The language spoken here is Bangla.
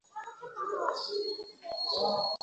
বিশ্বাস হয় না যে, এটা নির্বাচনকে উল্টো ঘুরিয়ে দিতে পারে?